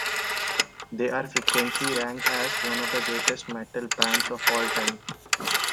They are frequently ranked as one of the greatest metal bands of all time.